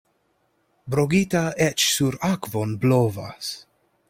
Brogita eĉ sur akvon blovas.